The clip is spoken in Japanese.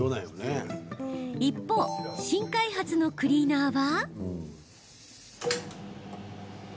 一方、新開発のクリーナーは？